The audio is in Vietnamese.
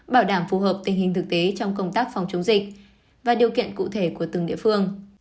bảo đảm phù hợp tình hình thực tế trong công tác phòng chống dịch và điều kiện cụ thể của từng địa phương